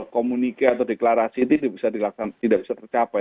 komunikasi atau deklarasi itu tidak bisa tercapai